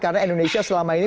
karena indonesia selama ini